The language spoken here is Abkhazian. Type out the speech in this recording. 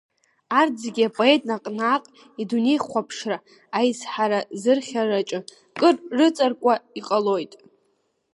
Арҭ зегьы апоет наҟ-наҟ идунеихәаԥшра аизҳаразыӷьараҿы кыр рыҵаркуа иҟалоит.